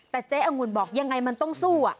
แต่เจ๊องุ่นบอกยังไงมันต้องสู้